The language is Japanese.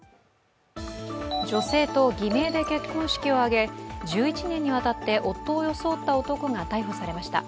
女性と偽名で結婚式を挙げ、１１年にわたって夫を装った男が逮捕されました。